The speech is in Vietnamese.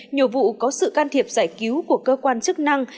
nhiều vụ có sự can thiệp giải cứu của cơ quan chức năng